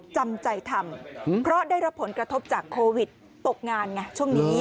จำใจทำเพราะได้รับผลกระทบจากโควิดตกงานไงช่วงนี้